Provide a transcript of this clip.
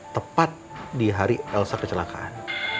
tepat di hari elsa kecelakaan